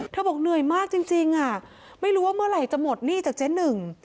เธอบอกเหนื่อยมากจริงไม่รู้ว่าเมื่อไหร่จะหมดนี่จากเจน๑